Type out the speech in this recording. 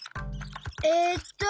えっと。